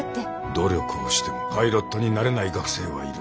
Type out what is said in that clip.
努力をしてもパイロットになれない学生はいる。